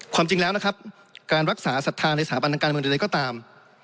ความจริงแล้วนะครับการรักษาศรัทธาในสถาบันทางการเมืองใดก็ตาม